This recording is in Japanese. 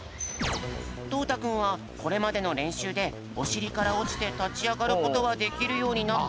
とうたくんはこれまでのれんしゅうでおしりからおちてたちあがることはできるようになったけど。